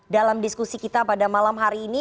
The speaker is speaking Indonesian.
dalam diskusi kita pada malam hari ini